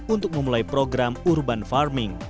untuk memulai program urban farming